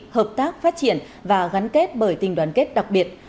hợp tác phát triển và gắn kết bởi tình đoàn kết đặc biệt